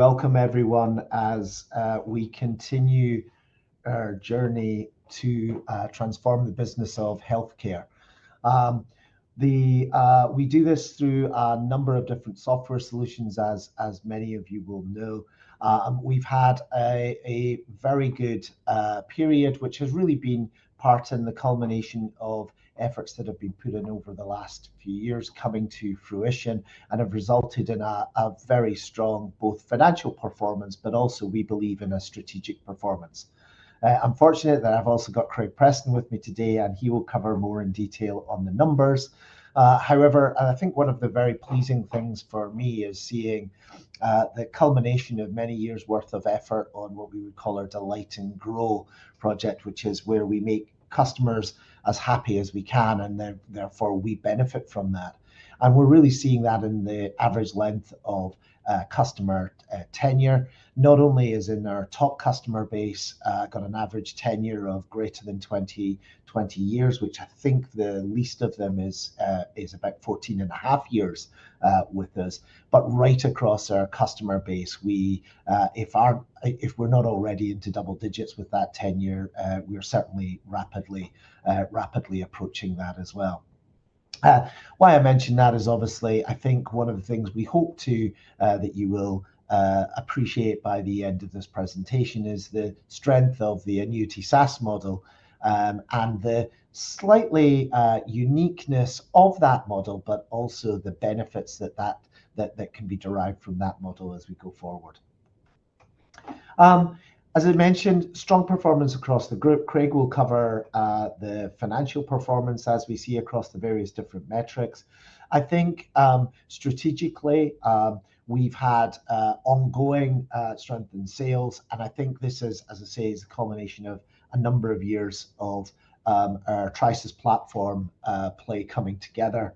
Welcome, everyone, as we continue our journey to transform the business of healthcare. We do this through a number of different software solutions, as many of you will know. We've had a very good period, which has really been part in the culmination of efforts that have been put in over the last few years, coming to fruition, and have resulted in a very strong both financial performance, but also, we believe, in a strategic performance. I'm fortunate that I've also got Craig Preston with me today, and he will cover more in detail on the numbers. However, I think one of the very pleasing things for me is seeing the culmination of many years' worth of effort on what we would call our Delight and Grow project, which is where we make customers as happy as we can, and therefore we benefit from that. And we're really seeing that in the average length of customer tenure. Not only is in our top customer base got an average tenure of greater than 20 years, which I think the least of them is about 14 and a half years with us, but right across our customer base, if we're not already into double digits with that tenure, we're certainly rapidly approaching that as well. Why I mentioned that is obviously, I think one of the things we hope that you will appreciate by the end of this presentation is the strength of the Annuity SaaS model and the slightly uniqueness of that model, but also the benefits that can be derived from that model as we go forward. As I mentioned, strong performance across the group. Craig will cover the financial performance as we see across the various different metrics. I think strategically we've had ongoing strength in sales, and I think this is, as I say, a culmination of a number of years of our Trisus platform play coming together.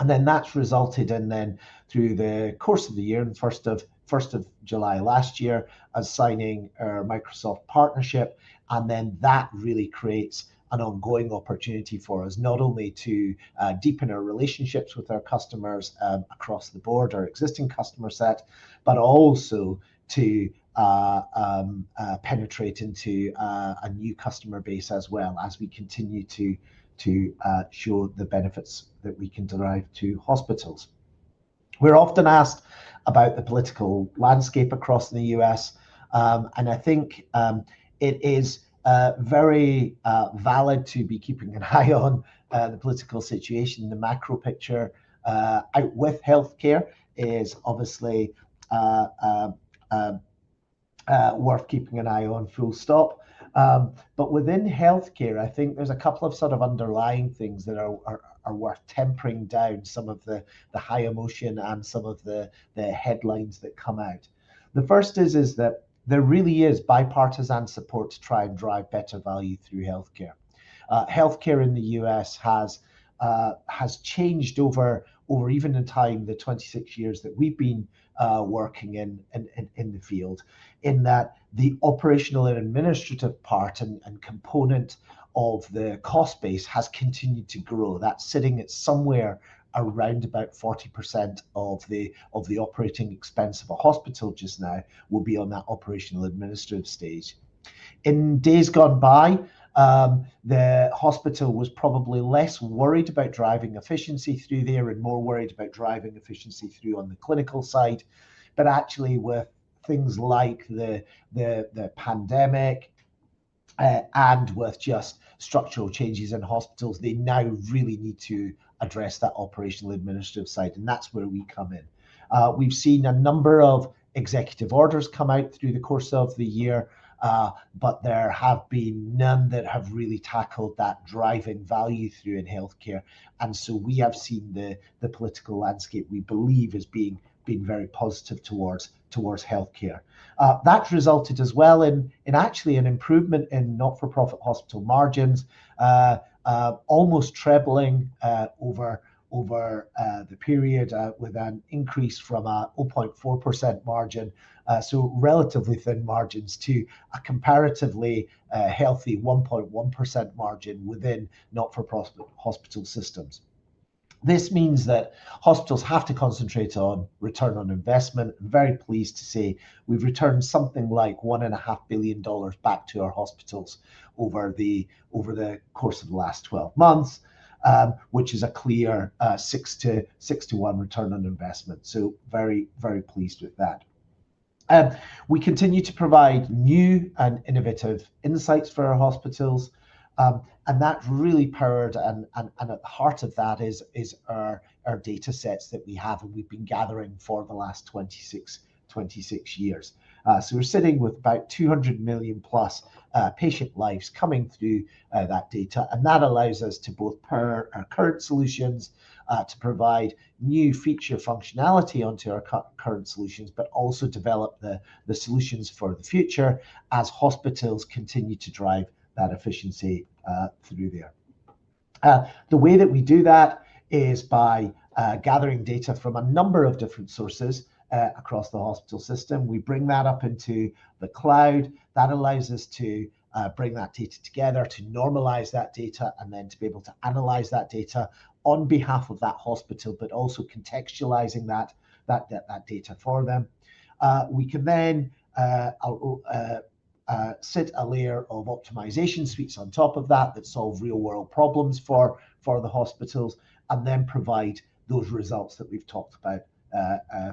And then that's resulted in, then through the course of the year, in the first of July last year, us signing our Microsoft partnership, and then that really creates an ongoing opportunity for us not only to deepen our relationships with our customers across the board, our existing customer set, but also to penetrate into a new customer base as well as we continue to show the benefits that we can derive to hospitals. We're often asked about the political landscape across the U.S., and I think it is very valid to be keeping an eye on the political situation, the macro picture with healthcare is obviously worth keeping an eye on. But within healthcare, I think there's a couple of sort of underlying things that are worth tempering down some of the high emotion and some of the headlines that come out. The first is that there really is bipartisan support to try and drive better value through healthcare. Healthcare in the U.S. has changed over even in time, the 26 years that we've been working in the field, in that the operational and administrative part and component of the cost base has continued to grow. That's sitting at somewhere around about 40% of the operating expense of a hospital just now will be on that operational administrative stage. In days gone by, the hospital was probably less worried about driving efficiency through there and more worried about driving efficiency through on the clinical side. But actually, with things like the pandemic and with just structural changes in hospitals, they now really need to address that operational administrative side, and that's where we come in. We've seen a number of executive orders come out through the course of the year, but there have been none that have really tackled that driving value through in healthcare. And so we have seen the political landscape we believe is being very positive towards healthcare. That's resulted as well in actually an improvement in not-for-profit hospital margins, almost trebling over the period with an increase from a 0.4% margin, so relatively thin margins to a comparatively healthy 1.1% margin within not-for-profit hospital systems. This means that hospitals have to concentrate on return on investment. I'm very pleased to say we've returned something like $1.5 billion back to our hospitals over the course of the last 12 months, which is a clear six to one return on investment, so very, very pleased with that. We continue to provide new and innovative insights for our hospitals, and that's really powered, and at the heart of that is our data sets that we have and we've been gathering for the last 26 years, so we're sitting with about 200 million plus patient lives coming through that data, and that allows us to both pair our current solutions to provide new feature functionality onto our current solutions, but also develop the solutions for the future as hospitals continue to drive that efficiency through there. The way that we do that is by gathering data from a number of different sources across the hospital system. We bring that up into the cloud. That allows us to bring that data together, to normalize that data, and then to be able to analyze that data on behalf of that hospital, but also contextualizing that data for them. We can then sit a layer of optimization suites on top of that that solve real-world problems for the hospitals and then provide those results that we've talked about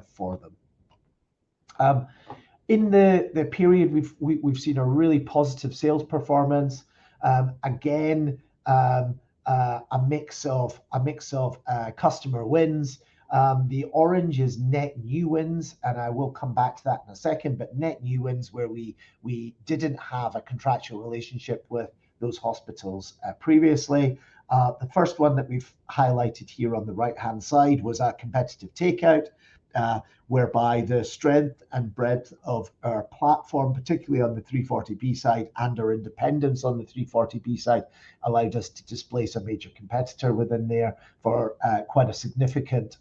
for them. In the period, we've seen a really positive sales performance. Again, a mix of customer wins. The orange is net new wins, and I will come back to that in a second, but net new wins where we didn't have a contractual relationship with those hospitals previously. The first one that we've highlighted here on the right-hand side was our competitive takeout, whereby the strength and breadth of our platform, particularly on the 340B side and our independence on the 340B side, allowed us to displace a major competitor within there for quite a significant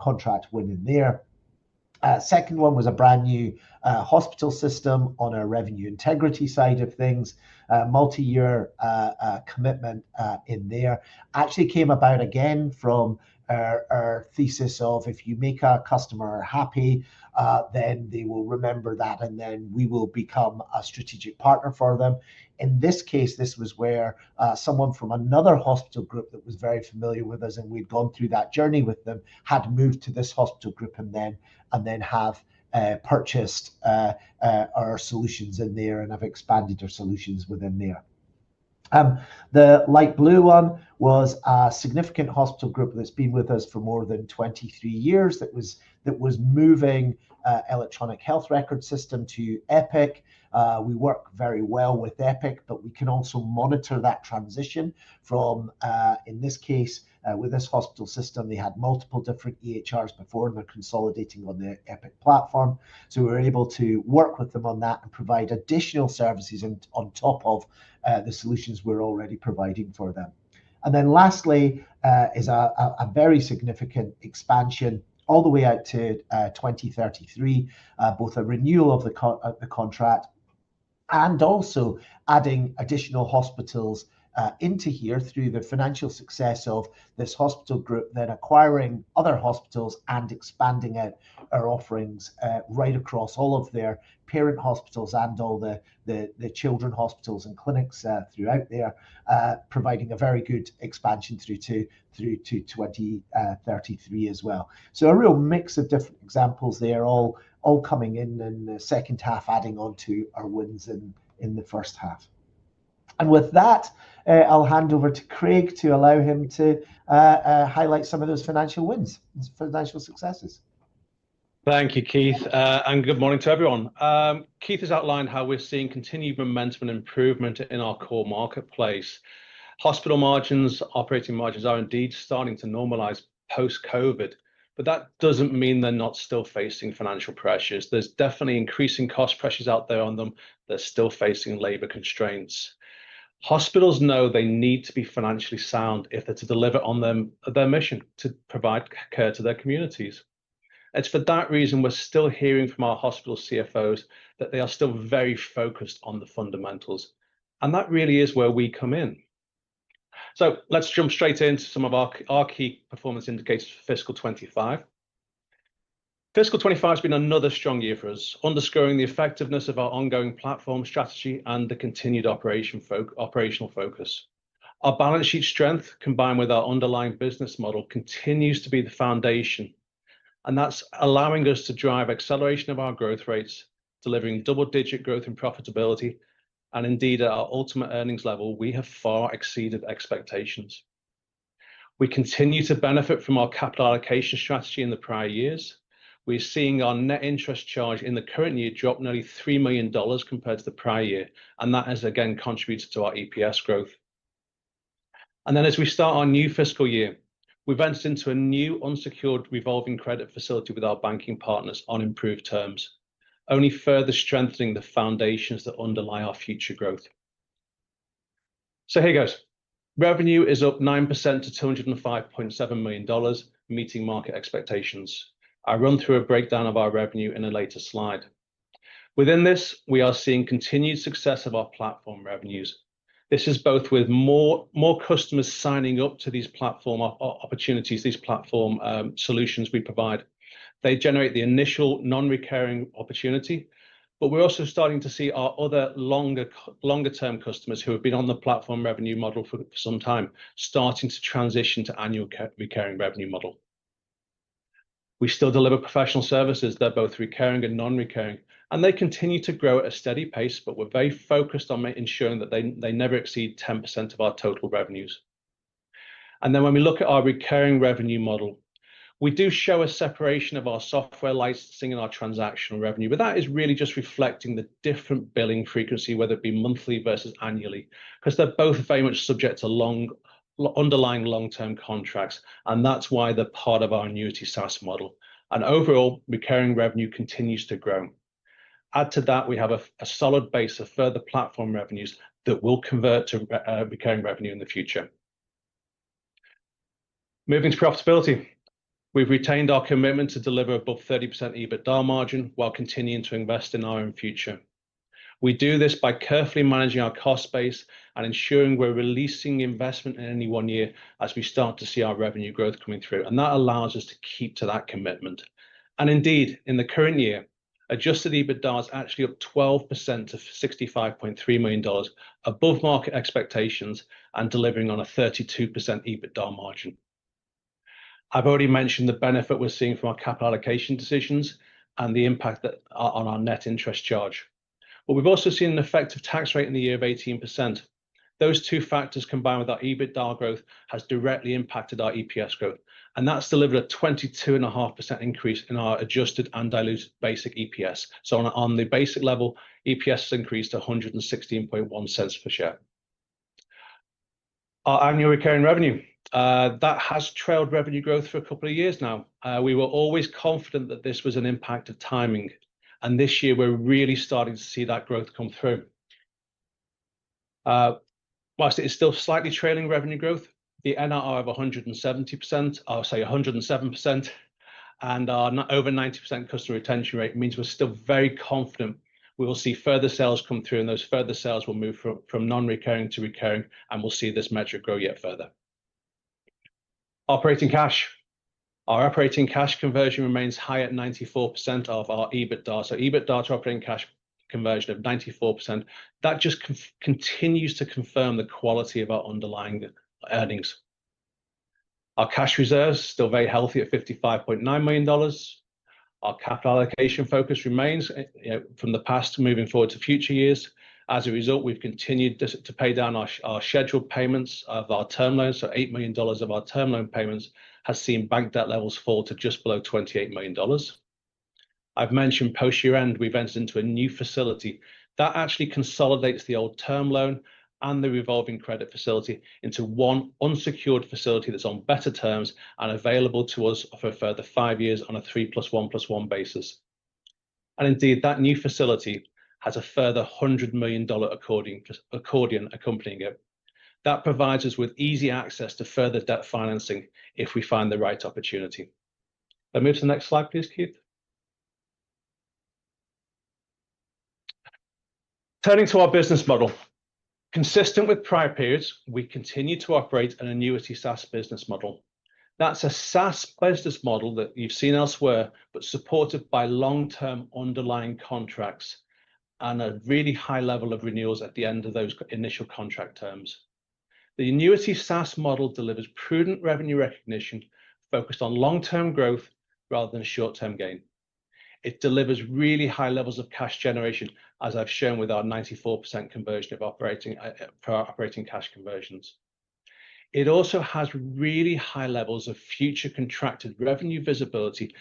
contract win in there. Second one was a brand new hospital system on our revenue integrity side of things, multi-year commitment in there. Actually came about again from our thesis of if you make our customer happy, then they will remember that, and then we will become a strategic partner for them. In this case, this was where someone from another hospital group that was very familiar with us, and we'd gone through that journey with them, had moved to this hospital group and then have purchased our solutions in there and have expanded our solutions within there. The light blue one was a significant hospital group that's been with us for more than 23 years that was moving electronic health record system to Epic. We work very well with Epic, but we can also monitor that transition from, in this case, with this hospital system, they had multiple different EHRs before they're consolidating on the Epic platform. So we're able to work with them on that and provide additional services on top of the solutions we're already providing for them. And then lastly is a very significant expansion all the way out to 2033, both a renewal of the contract and also adding additional hospitals into here through the financial success of this hospital group, then acquiring other hospitals and expanding out our offerings right across all of their parent hospitals and all the children's hospitals and clinics throughout there, providing a very good expansion through to 2033 as well. So a real mix of different examples there all coming in in the second half, adding on to our wins in the first half. And with that, I'll hand over to Craig to allow him to highlight some of those financial wins, financial successes. Thank you, Keith, and good morning to everyone. Keith has outlined how we're seeing continued momentum and improvement in our core marketplace. Hospital margins, operating margins are indeed starting to normalize post-COVID, but that doesn't mean they're not still facing financial pressures. There's definitely increasing cost pressures out there on them. They're still facing labor constraints. Hospitals know they need to be financially sound if they're to deliver on their mission to provide care to their communities. It's for that reason we're still hearing from our hospital CFOs that they are still very focused on the fundamentals, and that really is where we come in. So let's jump straight into some of our key performance indicators for fiscal 2025. Fiscal 2025 has been another strong year for us, underscoring the effectiveness of our ongoing platform strategy and the continued operational focus. Our balance sheet strength, combined with our underlying business model, continues to be the foundation, and that's allowing us to drive acceleration of our growth rates, delivering double-digit growth in profitability, and indeed at our ultimate earnings level, we have far exceeded expectations. We continue to benefit from our capital allocation strategy in the prior years. We're seeing our net interest charge in the current year drop nearly $3 million compared to the prior year, and that has again contributed to our EPS growth. And then as we start our new fiscal year, we've entered into a new unsecured revolving credit facility with our banking partners on improved terms, only further strengthening the foundations that underlie our future growth. So here goes. Revenue is up 9% to $205.7 million, meeting market expectations. I'll run through a breakdown of our revenue in a later slide. Within this, we are seeing continued success of our platform revenues. This is both with more customers signing up to these platform opportunities, these platform solutions we provide. They generate the initial non-recurring opportunity, but we're also starting to see our other longer-term customers who have been on the platform revenue model for some time starting to transition to annual recurring revenue model. We still deliver professional services. They're both recurring and non-recurring, and they continue to grow at a steady pace, but we're very focused on ensuring that they never exceed 10% of our total revenues. And then when we look at our recurring revenue model, we do show a separation of our software licensing and our transactional revenue, but that is really just reflecting the different billing frequency, whether it be monthly versus annually, because they're both very much subject to underlying long-term contracts, and that's why they're part of our annuity SaaS model. And overall, recurring revenue continues to grow. Add to that, we have a solid base of further platform revenues that will convert to recurring revenue in the future. Moving to profitability, we've retained our commitment to deliver above 30% EBITDA margin while continuing to invest in our own future. We do this by carefully managing our cost base and ensuring we're releasing investment in any one year as we start to see our revenue growth coming through, and that allows us to keep to that commitment. Indeed, in the current year, Adjusted EBITDA is actually up 12% to $65.3 million above market expectations and delivering on a 32% EBITDA margin. I've already mentioned the benefit we're seeing from our capital allocation decisions and the impact on our net interest charge. We've also seen an effective tax rate in the year of 18%. Those two factors combined with our EBITDA growth have directly impacted our EPS growth, and that's delivered a 22.5% increase in our adjusted and diluted basic EPS. On the basic level, EPS has increased to $1.161 per share. Our annual recurring revenue that has trailed revenue growth for a couple of years now. We were always confident that this was an impact of timing, and this year we're really starting to see that growth come through. While it is still slightly trailing revenue growth, the NRR of 170%, I'll say 107%, and our over 90% customer retention rate means we're still very confident we will see further sales come through, and those further sales will move from non-recurring to recurring, and we'll see this metric grow yet further. Operating cash, our operating cash conversion remains high at 94% of our EBITDA. So EBITDA to operating cash conversion of 94%, that just continues to confirm the quality of our underlying earnings. Our cash reserves are still very healthy at $55.9 million. Our capital allocation focus remains from the past moving forward to future years. As a result, we've continued to pay down our scheduled payments of our term loans. So $8 million of our term loan payments have seen bank debt levels fall to just below $28 million. I've mentioned post-year end, we've entered into a new facility that actually consolidates the old term loan and the revolving credit facility into one unsecured facility that's on better terms and available to us for a further five years on a three plus one plus one basis, and indeed, that new facility has a further $100 million accordion accompanying it. That provides us with easy access to further debt financing if we find the right opportunity. Let me move to the next slide, please, Keith. Turning to our business model, consistent with prior periods, we continue to operate an annuity SaaS business model. That's a SaaS business model that you've seen elsewhere, but supported by long-term underlying contracts and a really high level of renewals at the end of those initial contract terms. The annuity SaaS model delivers prudent revenue recognition focused on long-term growth rather than short-term gain. It delivers really high levels of cash generation, as I've shown with our 94% conversion of operating cash conversions. It also has really high levels of future contracted revenue visibility.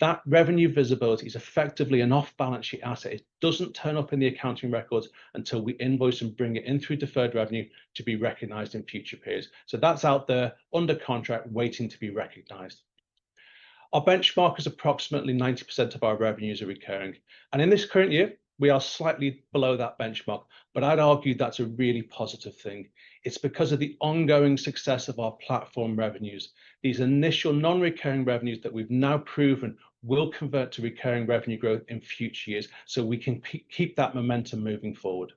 That revenue visibility is effectively an off-balance sheet asset. It doesn't turn up in the accounting records until we invoice and bring it in through deferred revenue to be recognized in future periods. So that's out there under contract waiting to be recognized. Our benchmark is approximately 90% of our revenues are recurring, and in this current year, we are slightly below that benchmark, but I'd argue that's a really positive thing. It's because of the ongoing success of our platform revenues, these initial non-recurring revenues that we've now proven will convert to recurring revenue growth in future years so we can keep that momentum moving forward.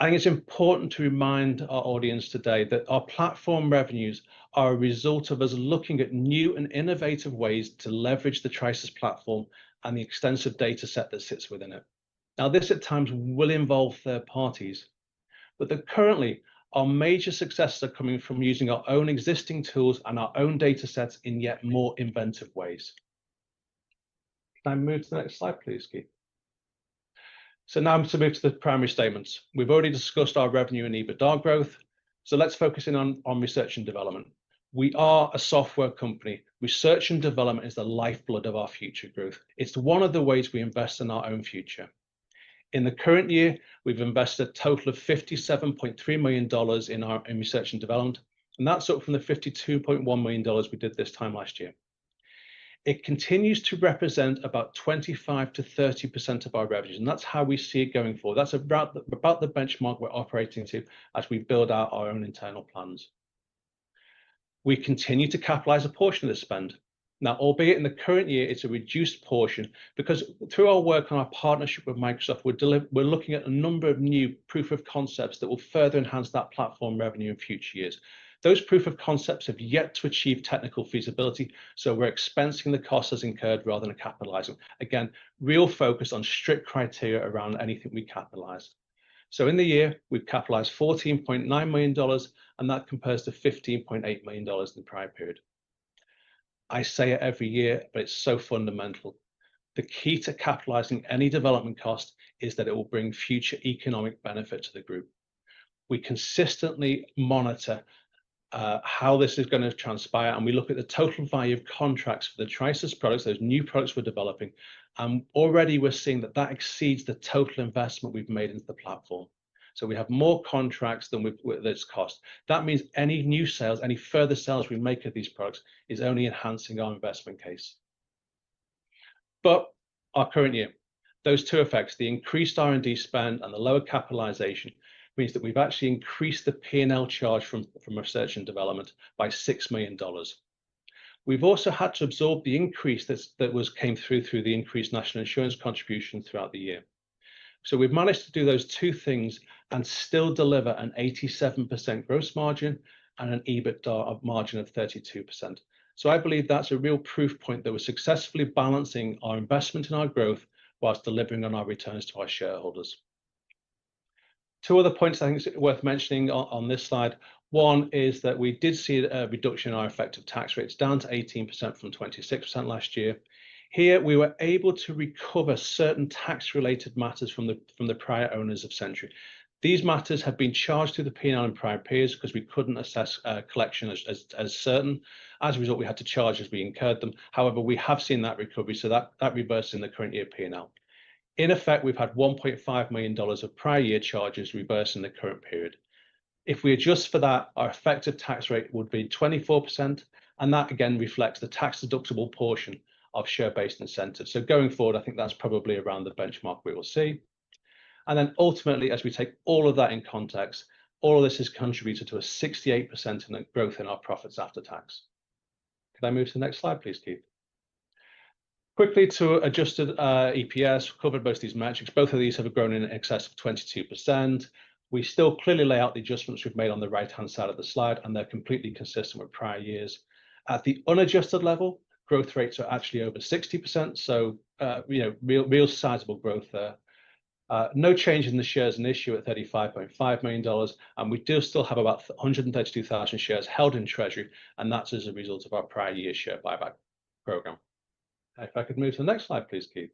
I think it's important to remind our audience today that our platform revenues are a result of us looking at new and innovative ways to leverage the Trisus platform and the extensive data set that sits within it. Now, this at times will involve third parties, but currently, our major successes are coming from using our own existing tools and our own data sets in yet more inventive ways. Can I move to the next slide, please, Keith? So now I'm submitting the primary statements. We've already discussed our revenue and EBITDA growth, so let's focus in on research and development. We are a software company. Research and development is the lifeblood of our future growth. It's one of the ways we invest in our own future. In the current year, we've invested a total of $57.3 million in our research and development, and that's up from the $52.1 million we did this time last year. It continues to represent about 25%-30% of our revenues, and that's how we see it going forward. That's about the benchmark we're operating to as we build out our own internal plans. We continue to capitalize a portion of this spend. Now, albeit in the current year, it's a reduced portion because through our work on our partnership with Microsoft, we're looking at a number of new proof of concepts that will further enhance that platform revenue in future years. Those proof of concepts have yet to achieve technical feasibility, so we're expensing the costs as incurred rather than capitalizing. Again, real focus on strict criteria around anything we capitalize. So in the year, we've capitalized $14.9 million, and that compares to $15.8 million in the prior period. I say it every year, but it's so fundamental. The key to capitalizing any development cost is that it will bring future economic benefit to the group. We consistently monitor how this is going to transpire, and we look at the total value of contracts for the Trisus products, those new products we're developing, and already we're seeing that that exceeds the total investment we've made into the platform. So we have more contracts than this cost. That means any new sales, any further sales we make of these products is only enhancing our investment case. But our current year, those two effects, the increased R&D spend and the lower capitalization means that we've actually increased the P&L charge from research and development by $6 million. We've also had to absorb the increase that came through the increased National Insurance contribution throughout the year. So we've managed to do those two things and still deliver an 87% gross margin and an EBITDA margin of 32%. So I believe that's a real proof point that we're successfully balancing our investment and our growth whilst delivering on our returns to our shareholders. Two other points I think it's worth mentioning on this slide. One is that we did see a reduction in our effective tax rates down to 18% from 26% last year. Here, we were able to recover certain tax-related matters from the prior owners of Sentry. These matters have been charged to the P&L in prior periods because we couldn't assess collection as certain. As a result, we had to charge as we incurred them. However, we have seen that recovery, so that reversed in the current year P&L. In effect, we've had $1.5 million of prior year charges reversed in the current period. If we adjust for that, our effective tax rate would be 24%, and that again reflects the tax-deductible portion of share-based incentives, so going forward, I think that's probably around the benchmark we will see, and then ultimately, as we take all of that in context, all of this has contributed to a 68% growth in our profits after tax. Can I move to the next slide, please, Keith? Quickly to adjusted EPS, we covered both these metrics. Both of these have grown in excess of 22%. We still clearly lay out the adjustments we've made on the right-hand side of the slide, and they're completely consistent with prior years. At the unadjusted level, growth rates are actually over 60%, so real sizable growth there. No change in the shares in issue at $35.5 million, and we do still have about 132,000 shares held in treasury, and that's as a result of our prior year share buyback program. If I could move to the next slide, please, Keith.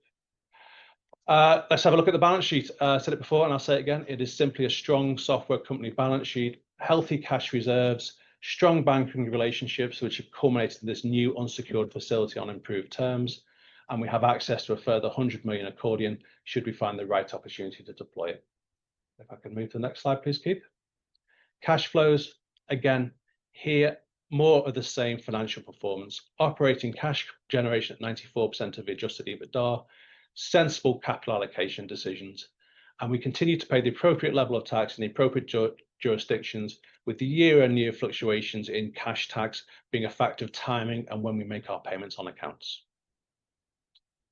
Let's have a look at the balance sheet. I said it before, and I'll say it again. It is simply a strong software company balance sheet, healthy cash reserves, strong banking relationships, which have culminated in this new unsecured facility on improved terms, and we have access to a further $100 million accordion should we find the right opportunity to deploy it. If I could move to the next slide, please, Keith. Cash flows, again, here more of the same financial performance. Operating cash generation at 94% of the Adjusted EBITDA, sensible capital allocation decisions, and we continue to pay the appropriate level of tax in the appropriate jurisdictions, with the year-on-year fluctuations in cash tax being a fact of timing and when we make our payments on accounts.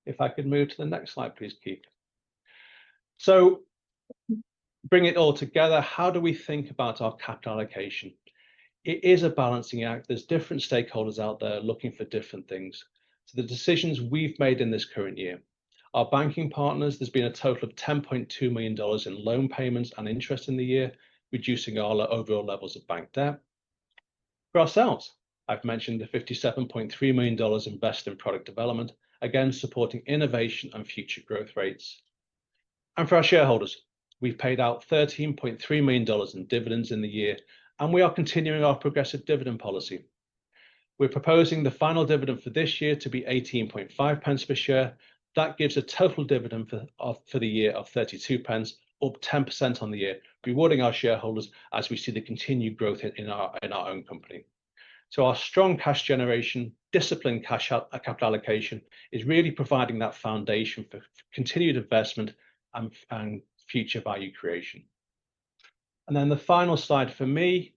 If I could move to the next slide, please, Keith. So bringing it all together, how do we think about our capital allocation? It is a balancing act. There's different stakeholders out there looking for different things. So the decisions we've made in this current year, our banking partners, there's been a total of $10.2 million in loan payments and interest in the year, reducing our overall levels of bank debt. For ourselves, I've mentioned the $57.3 million invested in product development, again supporting innovation and future growth rates. And for our shareholders, we've paid out $13.3 million in dividends in the year, and we are continuing our progressive dividend policy. We're proposing the final dividend for this year to be 0.185 per share. That gives a total dividend for the year of 0.32, up 10% on the year, rewarding our shareholders as we see the continued growth in our own company. So our strong cash generation, disciplined cash capital allocation is really providing that foundation for continued investment and future value creation. And then the final slide for me,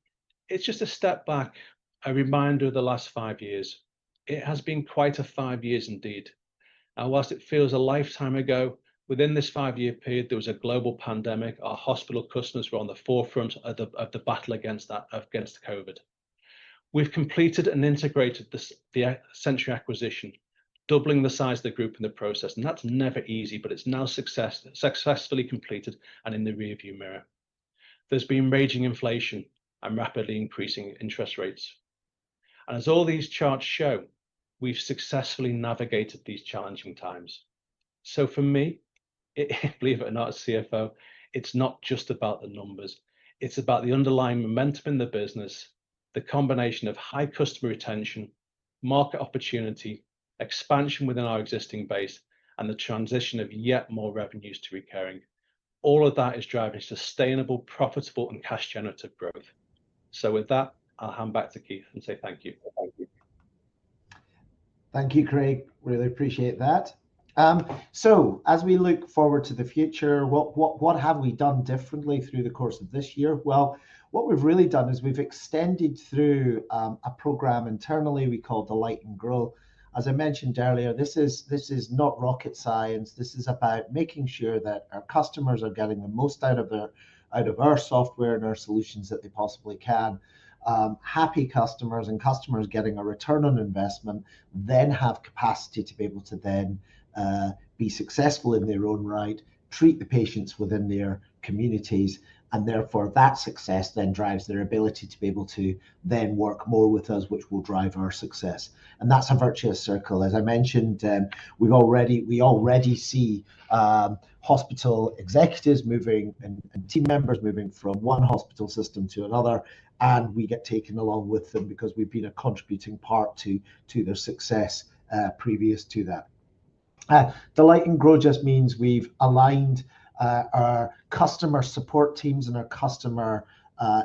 it's just a step back, a reminder of the last five years. It has been quite a five years indeed. And while it feels a lifetime ago, within this five-year period, there was a global pandemic. Our hospital customers were on the forefront of the battle against COVID. We've completed and integrated the Sentry acquisition, doubling the size of the group in the process, and that's never easy, but it's now successfully completed and in the rearview mirror. There's been raging inflation and rapidly increasing interest rates. And as all these charts show, we've successfully navigated these challenging times. So for me, believe it or not, as CFO, it's not just about the numbers. It's about the underlying momentum in the business, the combination of high customer retention, market opportunity, expansion within our existing base, and the transition of yet more revenues to recurring. All of that is driving sustainable, profitable, and cash-generative growth. So with that, I'll hand back to Keith and say thank you. Thank you, Craig. Really appreciate that. So as we look forward to the future, what have we done differently through the course of this year? What we've really done is we've extended through a program internally we call the Delight and Grow. As I mentioned earlier, this is not rocket science. This is about making sure that our customers are getting the most out of our software and our solutions that they possibly can. Happy customers and customers getting a return on investment then have capacity to be able to then be successful in their own right, treat the patients within their communities, and therefore that success then drives their ability to be able to then work more with us, which will drive our success. That's a virtuous circle. As I mentioned, we already see hospital executives moving and team members moving from one hospital system to another, and we get taken along with them because we've been a contributing part to their success previous to that. Delight and Grow just means we've aligned our customer support teams and our customer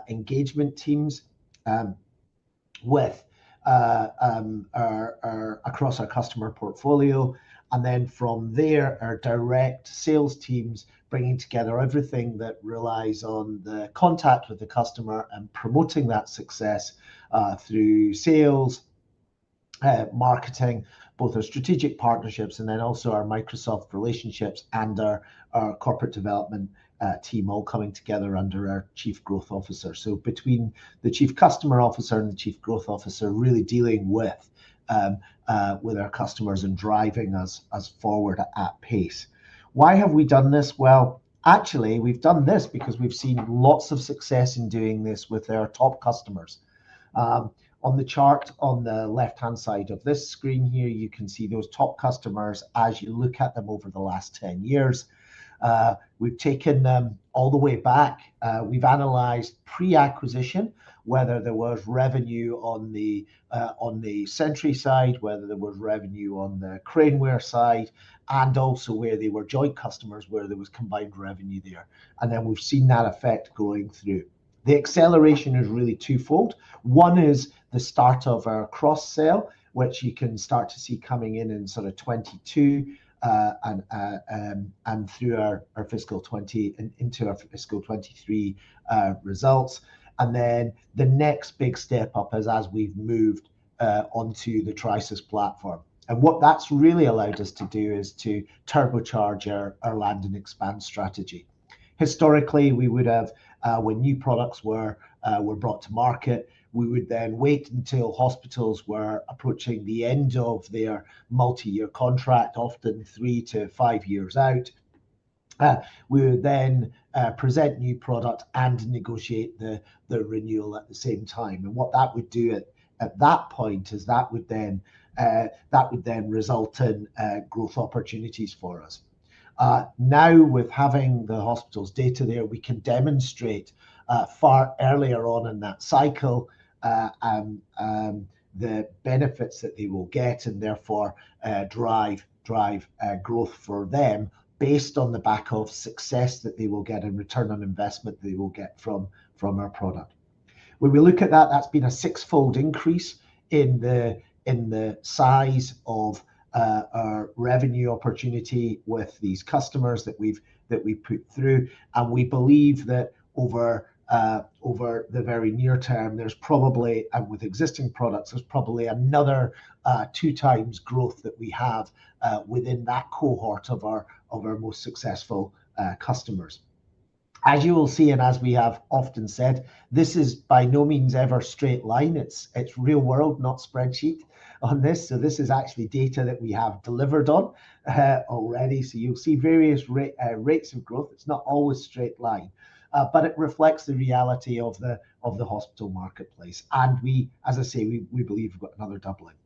engagement teams across our customer portfolio, and then from there, our direct sales teams bringing together everything that relies on the contact with the customer and promoting that success through sales, marketing, both our strategic partnerships, and then also our Microsoft relationships and our corporate development team all coming together under our Chief Growth Officer. So between the Chief Customer Officer and the Chief Growth Officer really dealing with our customers and driving us forward at pace. Why have we done this? Well, actually, we've done this because we've seen lots of success in doing this with our top customers. On the chart on the left-hand side of this screen here, you can see those top customers as you look at them over the last 10 years. We've taken them all the way back. We've analyzed pre-acquisition, whether there was revenue on the Sentry side, whether there was revenue on the Craneware side, and also where they were joint customers, where there was combined revenue there, and then we've seen that effect going through. The acceleration is really twofold. One is the start of our cross-sell, which you can start to see coming in in sort of 2022 and through our fiscal 2020 into our fiscal 2023 results, and then the next big step up is as we've moved onto the Trisus platform, and what that's really allowed us to do is to turbocharge our land and expand strategy. Historically, we would have, when new products were brought to market, we would then wait until hospitals were approaching the end of their multi-year contract, often three to five years out. We would then present new product and negotiate the renewal at the same time. What that would do at that point is that would then result in growth opportunities for us. Now, with having the hospitals' data there, we can demonstrate far earlier on in that cycle the benefits that they will get and therefore drive growth for them based on the back of success that they will get and return on investment they will get from our product. When we look at that, that's been a six-fold increase in the size of our revenue opportunity with these customers that we've put through. We believe that over the very near term, there's probably, and with existing products, there's probably another two-times growth that we have within that cohort of our most successful customers. As you will see, and as we have often said, this is by no means ever straight line. It's real-world, not spreadsheet on this. This is actually data that we have delivered on already. You'll see various rates of growth. It's not always straight line, but it reflects the reality of the hospital marketplace. As I say, we believe we've got another doubling.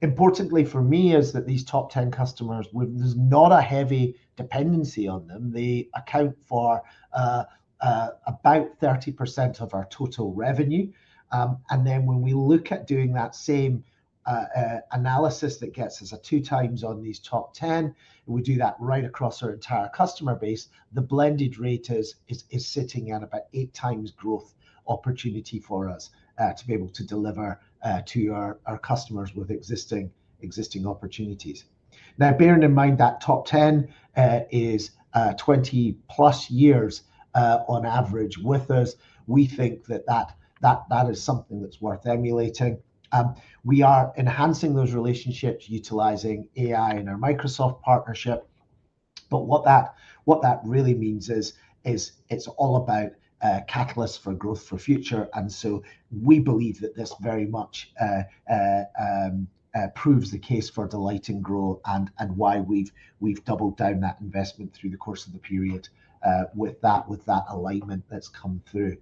Importantly for me is that these top 10 customers, there's not a heavy dependency on them. They account for about 30% of our total revenue. Then when we look at doing that same analysis that gets us a two-times on these top 10, we do that right across our entire customer base, the blended rate is sitting at about eight times growth opportunity for us to be able to deliver to our customers with existing opportunities. Now, bearing in mind that top 10 is 20-plus years on average with us, we think that that is something that's worth emulating. We are enhancing those relationships utilizing AI and our Microsoft partnership. But what that really means is it's all about catalysts for growth for future. And so we believe that this very much proves the case for the Delight and Grow and why we've doubled down that investment through the course of the period with that alignment that's come through.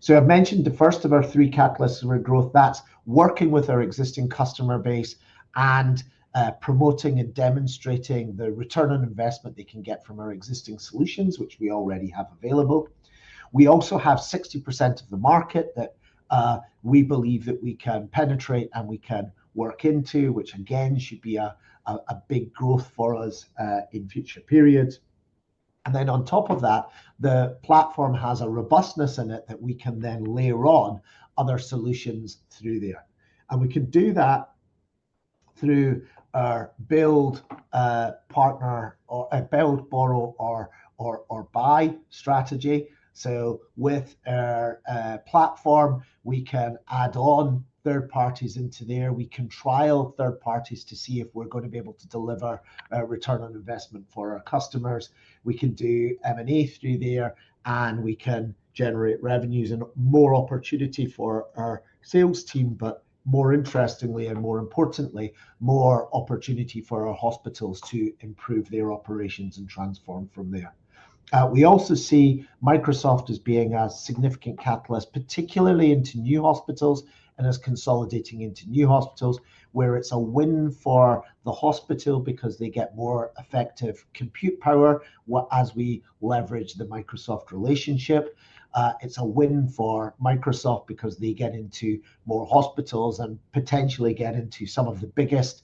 So I've mentioned the first of our three catalysts for growth. That's working with our existing customer base and promoting and demonstrating the return on investment they can get from our existing solutions, which we already have available. We also have 60% of the market that we believe that we can penetrate and we can work into, which again should be a big growth for us in future periods. And then on top of that, the platform has a robustness in it that we can then layer on other solutions through there. And we can do that through our build, partner, or build, borrow, or buy strategy. So with our platform, we can add on third parties into there. We can trial third parties to see if we're going to be able to deliver a return on investment for our customers. We can do M&A through there, and we can generate revenues and more opportunity for our sales team, but more interestingly and more importantly, more opportunity for our hospitals to improve their operations and transform from there. We also see Microsoft as being a significant catalyst, particularly into new hospitals and as consolidating into new hospitals where it's a win for the hospital because they get more effective compute power as we leverage the Microsoft relationship. It's a win for Microsoft because they get into more hospitals and potentially get into some of the biggest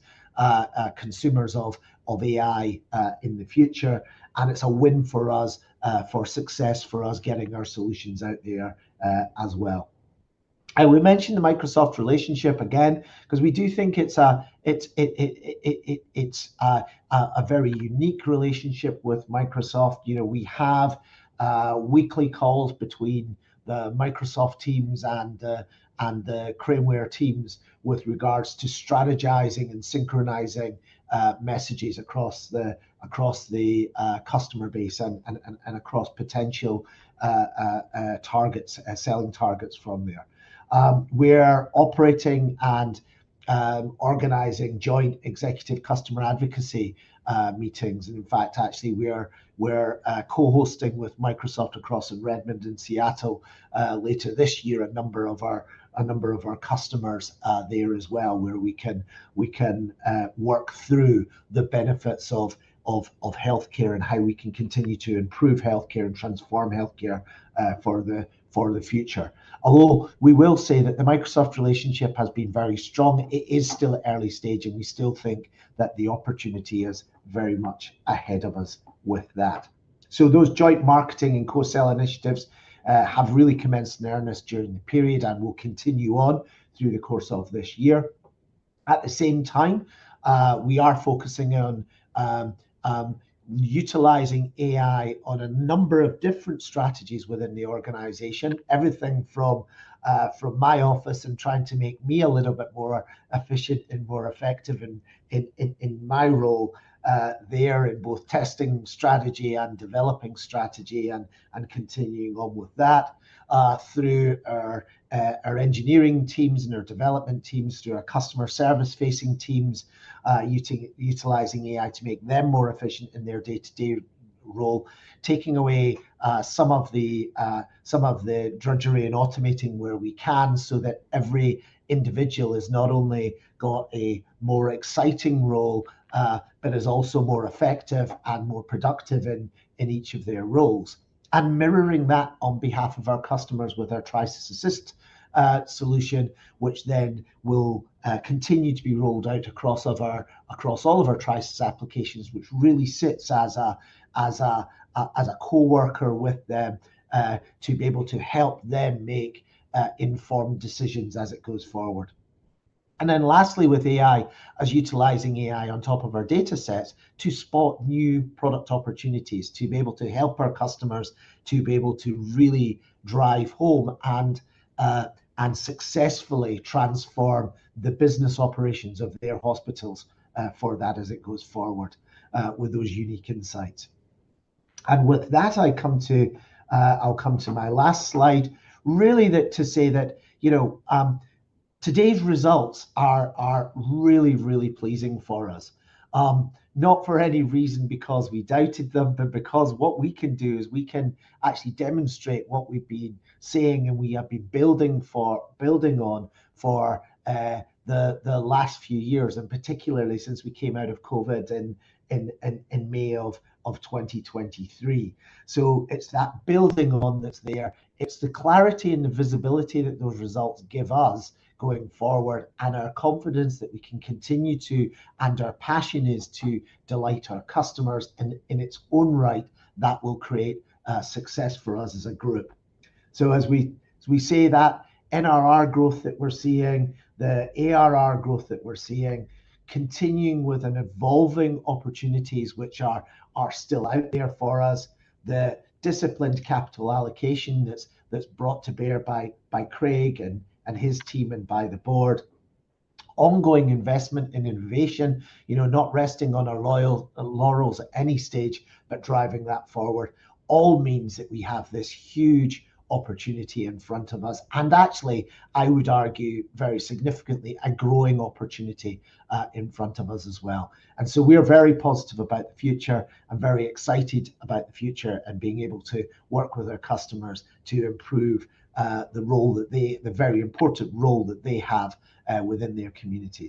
consumers of AI in the future. And it's a win for us for success for us getting our solutions out there as well. I will mention the Microsoft relationship again because we do think it's a very unique relationship with Microsoft. We have weekly calls between the Microsoft teams and the Craneware teams with regards to strategizing and synchronizing messages across the customer base and across potential selling targets from there. We're operating and organizing joint executive customer advocacy meetings. In fact, actually, we're co-hosting with Microsoft across Redmond and Seattle later this year a number of our customers there as well where we can work through the benefits of healthcare and how we can continue to improve healthcare and transform healthcare for the future. Although we will say that the Microsoft relationship has been very strong, it is still early stage. And we still think that the opportunity is very much ahead of us with that. So those joint marketing and co-sell initiatives have really commenced in earnest during the period and will continue on through the course of this year. At the same time, we are focusing on utilizing AI on a number of different strategies within the organization, everything from my office, and trying to make me a little bit more efficient and more effective in my role there in both testing strategy and developing strategy, and continuing on with that through our engineering teams and our development teams, through our customer service-facing teams utilizing AI to make them more efficient in their day-to-day role, taking away some of the drudgery and automating where we can so that every individual has not only got a more exciting role but is also more effective and more productive in each of their roles. Mirroring that on behalf of our customers with our Trisus Assist solution, which then will continue to be rolled out across all of our Trisus applications, which really sits as a coworker with them to be able to help them make informed decisions as it goes forward. Then lastly, with AI, utilizing AI on top of our data sets to spot new product opportunities, to be able to help our customers to be able to really drive home and successfully transform the business operations of their hospitals for that as it goes forward with those unique insights. With that, I'll come to my last slide, really to say that today's results are really, really pleasing for us. Not for any reason because we doubted them, but because what we can do is we can actually demonstrate what we've been saying and we have been building on for the last few years, and particularly since we came out of COVID in May of 2023. It's that building on that's there. It's the clarity and the visibility that those results give us going forward and our confidence that we can continue to, and our passion is to delight our customers in its own right that will create success for us as a group. So as we say that, NRR growth that we're seeing, the ARR growth that we're seeing, continuing with an evolving opportunities which are still out there for us, the disciplined capital allocation that's brought to bear by Craig and his team and by the board, ongoing investment in innovation, not resting on our laurels at any stage, but driving that forward, all means that we have this huge opportunity in front of us, and actually, I would argue very significantly a growing opportunity in front of us as well, and so we're very positive about the future and very excited about the future and being able to work with our customers to improve the very important role that they have within their communities.